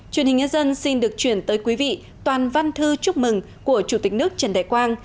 truyền hình nhân dân xin được chuyển tới quý vị toàn văn thư chúc mừng của chủ tịch nước trần đại quang